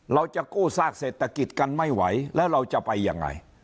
เราจะกู้ซากเศรษฐกิจกันไม่ไหวแล้วเราจะไปยังไง